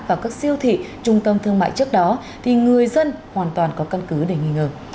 vào các siêu thị trung tâm thương mại trước đó thì người dân hoàn toàn có căn cứ để nghi ngờ